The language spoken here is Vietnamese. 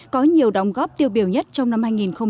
có nhiều đóng góp tiêu biểu nhất trong năm hai nghìn một mươi chín